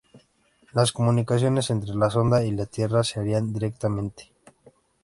Las comunicaciones entre la sonda y la Tierra se harían directamente.